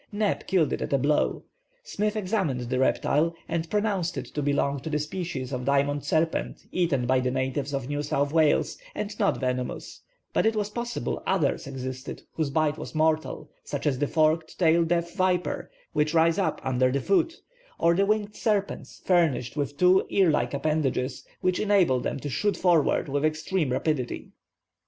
Neb killed it at a blow. Smith examined the reptile, and pronounced it to belong to the species of diamond serpents eaten by the natives of New South Wales and not venomous, but it was possible others existed whose bite was mortal, such as the forked tail deaf viper, which rise up under the foot, or the winged serpents, furnished with two ear like appendages, which enable them to shoot forward with extreme rapidity.